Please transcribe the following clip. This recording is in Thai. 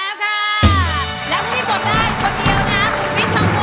แล้วพี่กดได้คนเดียวนะคุณวิทย์สังเต็มครับ